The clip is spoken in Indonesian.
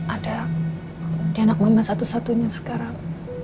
ada di anak mama satu satunya sekarang